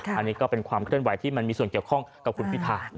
อันนี้ก็เป็นความเคลื่อนไหวที่มันมีส่วนเกี่ยวข้องกับคุณพิธา